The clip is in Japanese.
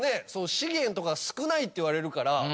資源とかが少ないって言われるから。